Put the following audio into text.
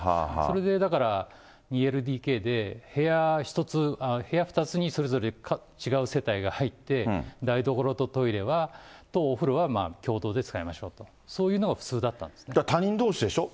それでだから、２ＬＤＫで部屋２つに、それぞれ違う世帯が入って、台所とトイレとお風呂は共同で使いましょうと、他人どうしでしょう。